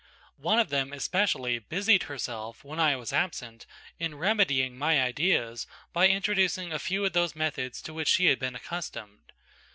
One of them, especially, busied herself, when I was absent, in remedying my ideas by introducing a few of those methods to which she had been accustomed.